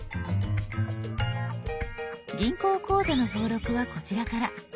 「銀行口座」の登録はこちらから。